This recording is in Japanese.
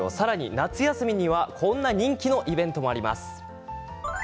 夏休みにはこんな人気のイベントもあります。